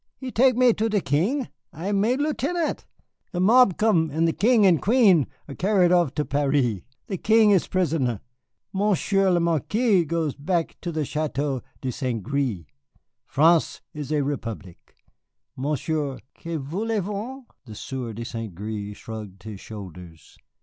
He tek me to the King, I am made lieutenant, the mob come and the King and Queen are carry off to Paris. The King is prisoner, Monsieur le Marquis goes back to the Château de St. Gré. France is a republic. Monsieur que voulez vous?" (The Sieur de St. Gré shrugged his shoulders.)